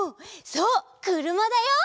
そうくるまだよ！